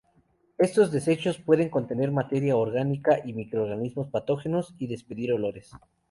Estos desechos pueden contener materia orgánica y microorganismos patógenos y despedir olores.